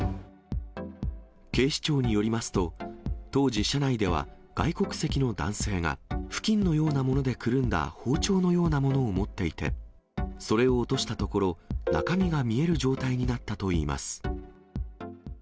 警視庁によりますと、当時、車内では外国籍の男性が、布巾のようなものでくるんだ包丁のようなものを持っていて、それを落としたところ、中身が見える状態になったといいます。